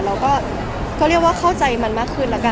เราก็เรียกว่าเข้าใจมันมากขึ้นแล้วกัน